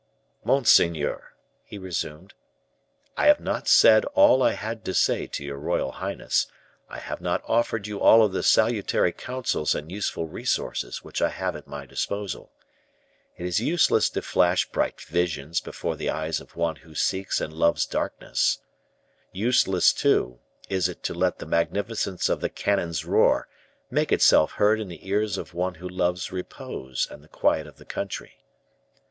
"Monseigneur," he resumed, "I have not said all I had to say to your royal highness; I have not offered you all the salutary counsels and useful resources which I have at my disposal. It is useless to flash bright visions before the eyes of one who seeks and loves darkness: useless, too, is it to let the magnificence of the cannon's roar make itself heard in the ears of one who loves repose and the quiet of the country.